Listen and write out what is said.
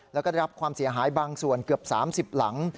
แล้วก็ได้รับความเสียหายบางส่วนเกือบ๓๐หลัง